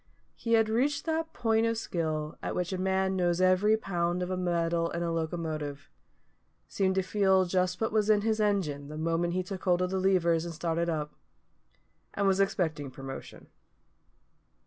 He had reached that point of skill at which a man knows every pound of metal in a locomotive; seemed to feel just what was in his engine the moment he took hold of the levers and started up; and was expecting promotion.